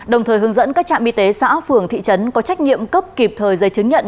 đồng thời hướng dẫn các trạm y tế xã phường thị trấn có trách nhiệm cấp kịp thời giấy chứng nhận